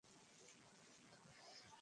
আমরা সন্ন্যাসী, আমাদের কিছুতেই জাত যায় না।